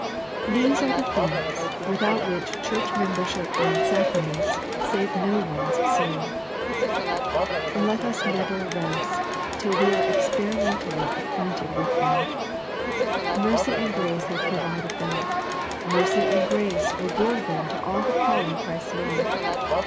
These are the things, with out which church membership and sacraments save no one's soul. Let us ntjver rest till we are experimentally acquainted with them. — Mercy and grace have provided them. Mercy and grace will give them to all who call on Christ's name.